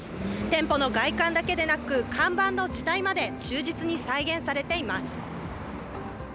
店舗の外観だけでなく、看板の字体まで忠実に再現されています。